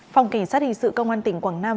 phòng kỳ sát hình sự công an tỉnh quảng nam